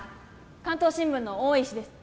関東新聞の大石です